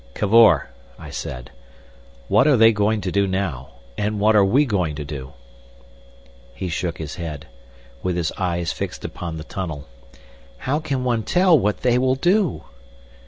"Cavor!" I said; "what are they going to do now? And what are we going to do?" He shook his head, with his eyes fixed upon the tunnel. "How can one tell what they will do?"